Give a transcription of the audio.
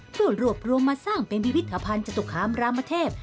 เพื่อรวบรวมมาสร้างเป็นพิพิธภัณฑ์จตุคามรามเทพ